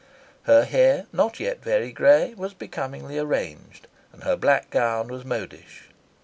Her hair, not yet very gray, was becomingly arranged, and her black gown was modish.